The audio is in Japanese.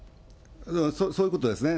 そういうことですね。